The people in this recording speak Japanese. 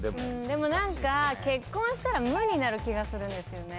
でもなんか結婚したら「無」になる気がするんですよね。